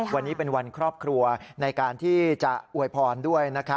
วันนี้เป็นวันครอบครัวในการที่จะอวยพรด้วย